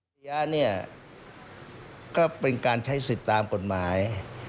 ระยะเนี่ยก็เป็นการใช้สิทธิ์ตามกฎหมาย